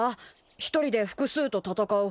一人で複数と戦う方法。